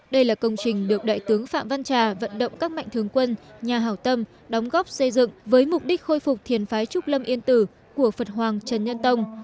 đây là công trình được đại tướng phạm văn trà vận động các mạnh thường quân nhà hảo tâm đóng góp xây dựng với mục đích khôi phục thiền phái trúc lâm yên tử của phật hoàng trần nhân tông